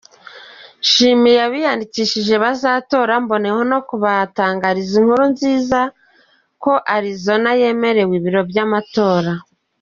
Nshimiye abiyandikishije kuzatora mboneraho no kubatangariza inkuru nziza ko Arizona yemerewe ibiro by’amatora.